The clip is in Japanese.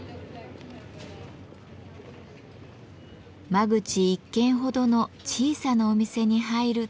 間口一間ほどの小さなお店に入ると。